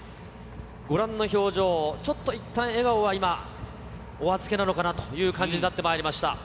ご覧の表情、ちょっといったん笑顔は今、お預けなのかなという感じになってまいりました。